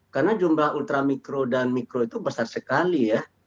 karena jumlah ultramikro dan mikro itu besar sekali